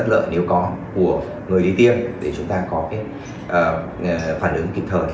bất lợi nếu có của người đi tiêm để chúng ta có cái phản ứng kịp thời